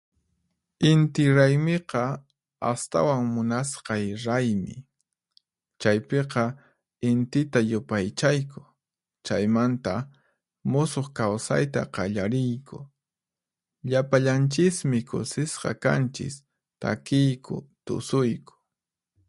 Inti Raymiqa astawan munasqay raymi. Chaypiqa Intita yupaychayku, chaymanta musuq kawsayta qallariyku. Llapallanchismi kusisqa kanchis, takiyku, tusuyku.